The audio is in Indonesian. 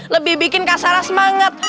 lebih bikin kastara semangat